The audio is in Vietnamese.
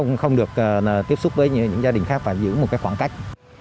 cũng không được tiếp xúc với những gia đình khác và giữ một cái khoảng cách